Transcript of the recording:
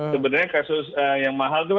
sebenarnya kasus yang mahal itu